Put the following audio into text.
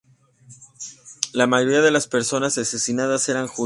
La mayoría de las personas asesinadas eran judíos.